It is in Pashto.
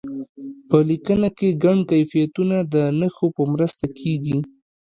په لیکنه کې ګڼ کیفیتونه د نښو په مرسته کیږي.